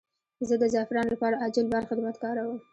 زه د زعفرانو لپاره عاجل بار خدمت کاروم.